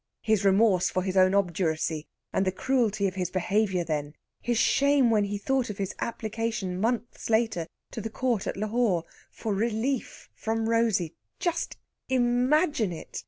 His remorse for his own obduracy, and the cruelty of his behaviour then; his shame when he thought of his application, months later, to the Court at Lahore for "relief" from Rosey: just imagine it!